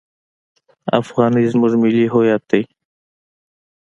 افغانۍ زموږ ملي هویت دی.